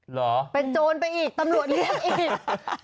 เหรอเป็นโจรไปอีกตำรวจเรียกอีก